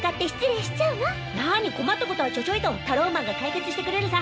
なに困ったことはちょちょいとタローマンが解決してくれるさ。